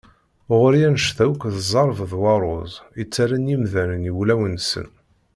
Ɣur-i anect-a akk d ẓẓerb d warruz i ttarran yimdanen i wulawen-nsen.